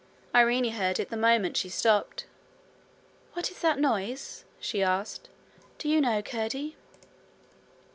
Irene heard it the moment she stopped. 'What is that noise?' she asked. 'Do you know, Curdie?'